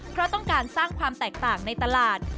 เพราะต้องการสร้างความแตกต่างในตลาด